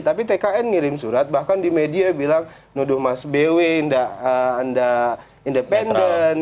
tapi tkn ngirim surat bahkan di media bilang nuduh mas bw tidak independen